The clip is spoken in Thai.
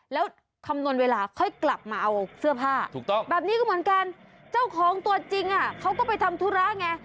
แล้วคำนวณเวลาค่อยกลับมาเอาเสื้อผ้าถูกต้องแบบนี้ก็เหมือนกันเจ้าของตัวจริงเขาก็ไปทำธุระไง